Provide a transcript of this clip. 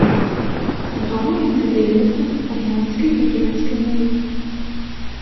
Гавораць на дыялектах армянскай і турэцкай моў.